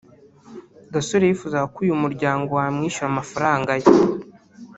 Gasore yifuza ko uyu muryango wamwishyura amafaranga ye